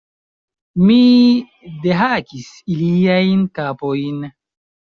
Mi dehakis iliajn kapojn!